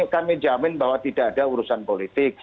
kami jamin bahwa tidak ada urusan politik